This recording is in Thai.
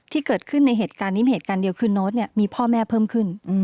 ที่เกิดขึ้นในเหตุการณ์นี้เหตุการณ์เดียวคือโน้ตมีพ่อแม่เพิ่มขึ้น